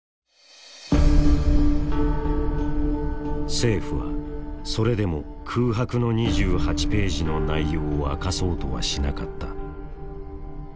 政府はそれでも「空白の２８ページ」の内容を明かそうとはしなかった。